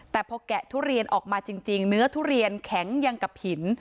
แต่พอแกะทุเรียนออกมาจริงเนื้อทุเรียนแข็งยังกับหิน